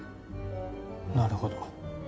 なるほど。